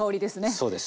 そうです。